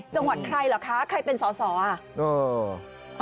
จังหวัดใครเหรอคะใครเป็นสอสออ่ะ